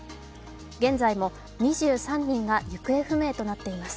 現在も２３人が行方不明となっています。